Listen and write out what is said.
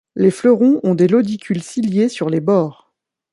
Les fleurons ont des lodicules ciliés sur les bords.